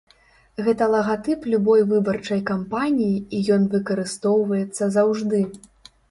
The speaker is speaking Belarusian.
Гэта лагатып любой выбарчай кампаніі і ён выкарыстоўваецца заўжды.